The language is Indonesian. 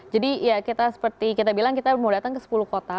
jadi ya kita seperti kita bilang kita mau datang ke sepuluh kota